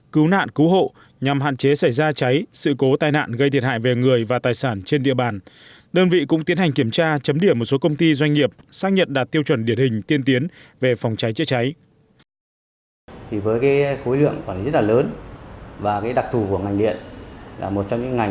cứu nạn cứu hộ nhằm hạn chế xảy ra cháy sự cố tai nạn gây thiệt hại về người và tài sản trên địa bàn đơn vị cũng tiến hành kiểm tra chấm điểm một số công ty doanh nghiệp xác nhận đạt tiêu chuẩn điển hình tiên tiến về phòng cháy chữa cháy